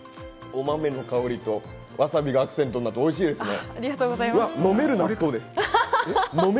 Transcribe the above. お豆の香りと、わさびがアクセントになっておいしいですね。